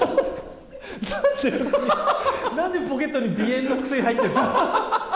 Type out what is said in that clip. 何でそこに、何でポケットに鼻炎の薬が入ってるんですか。